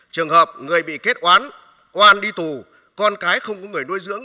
trường hợp người bị kết án oan đi tù con cái không có người nuôi dưỡng